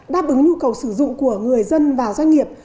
đáp ứng nhu cầu sử dụng của người dân và doanh nghiệp